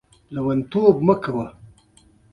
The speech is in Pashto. دا په دیارلس سوه شپږ څلوېښت کال کې طاعون خپور شوی و.